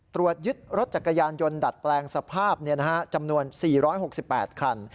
ตรวจยึดรถจักรยานยนต์ดัดแปลงสภาพจำนวน๔๖๘คัน